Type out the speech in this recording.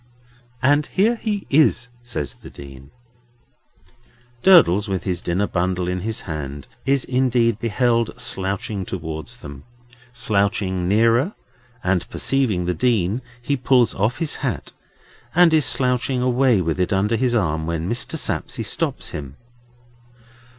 "And here he is," says the Dean. Durdles with his dinner bundle in his hand, is indeed beheld slouching towards them. Slouching nearer, and perceiving the Dean, he pulls off his hat, and is slouching away with it under his arm, when Mr. Sapsea stops him.